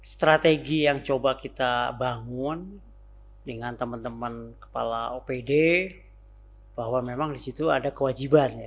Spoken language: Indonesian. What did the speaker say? strategi yang coba kita bangun dengan teman teman kepala opd bahwa memang di situ ada kewajiban